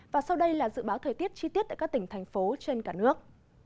và sau đây là dự báo thời tiết chi tiết tại các tỉnh thành phố trên cả nước